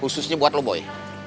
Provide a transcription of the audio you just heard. khususnya buat lo boy